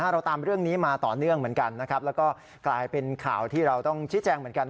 เราตามเรื่องนี้มาต่อเนื่องเหมือนกันนะครับแล้วก็กลายเป็นข่าวที่เราต้องชี้แจงเหมือนกัน